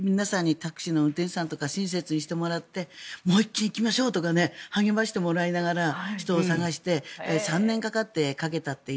タクシーの運転手さんとか親切にしてもらってもう１件行きましょうとか励ましてもらいながら人を探して３年かかってかけたという。